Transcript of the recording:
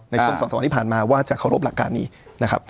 ในช่วง๒๓วันที่ผ่านมาว่าจะเคารพหลักการนี้นะครับ